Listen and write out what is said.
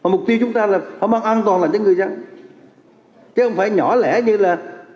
mục tiêu chúng ta là phân bón an toàn cho người dân chứ không phải nhỏ lẽ như là